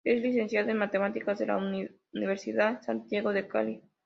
Es licenciado en matemáticas de la Universidad Santiago de Cali.